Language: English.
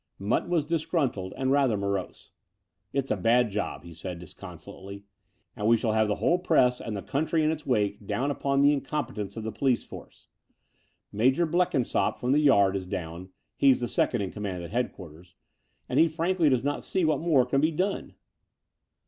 Mutton was disgruntled and rather morose. "It's a bad job," he said disconsolately, ''and we shall have the whole press and the country in its wake down upon the incompetence of the police force. Major Blenkinsopp from the Yard is down — ^he's the second in command at headquarters — and he frankly does not see what more can be done."